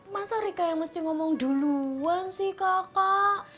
masa rika yang mesti ngomong duluan sih kakak